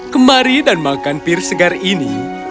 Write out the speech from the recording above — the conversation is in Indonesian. kemari dan makan pir segar ini